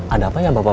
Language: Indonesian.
ada apa ya bapak bapak